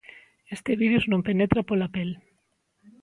Este virus non penetra pola pel.